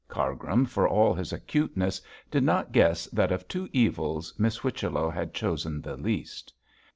Cargrim, for all his acuteness, did not guess that of two evils Miss Whichello had chosen the least.